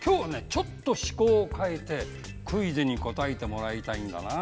ちょっと趣向を変えてクイズに答えてもらいたいんだな。